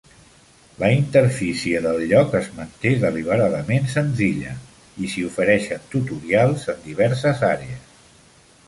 La interfície del lloc es manté deliberadament senzilla i s'hi ofereixen tutorials en diverses àrees.